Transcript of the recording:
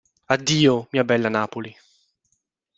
Addio, mia bella Napoli!